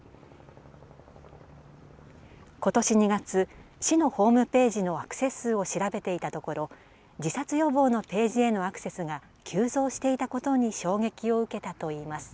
ことし２月、市のホームページのアクセス数を調べていたところ自殺予防のページへのアクセスが急増していたことに衝撃を受けたといいます。